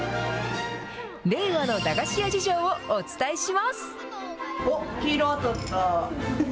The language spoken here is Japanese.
令和の駄菓子屋事情をお伝えします。